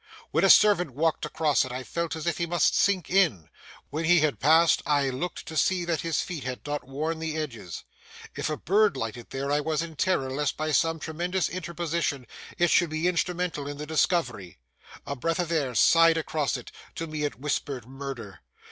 When a servant walked across it, I felt as if he must sink in; when he had passed, I looked to see that his feet had not worn the edges. If a bird lighted there, I was in terror lest by some tremendous interposition it should be instrumental in the discovery; if a breath of air sighed across it, to me it whispered murder.